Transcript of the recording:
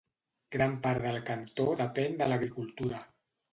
Gran part del cantó depén de l'agricultura.